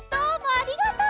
ありがとう！